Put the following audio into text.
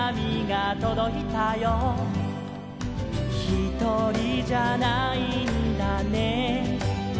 「ひとりじゃないんだね」